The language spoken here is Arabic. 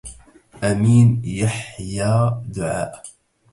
أمين يحيى دعاء